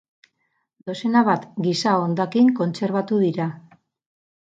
Dozena bat giza hondakin kontserbatu dira.